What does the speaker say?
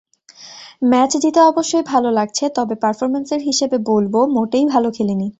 Match জিতে অবশ্যই ভালো লাগছে, তবে পারফরম্যান্সের হিসেবে বলব মোটেই ভালো খেলিনি।